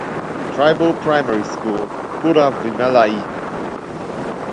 Tribal Primary School, Puravimalai.